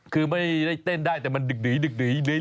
คือไม่ได้เต้นได้แต่มันดึกดื่อยอย่างนี้ได้